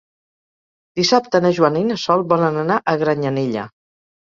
Dissabte na Joana i na Sol volen anar a Granyanella.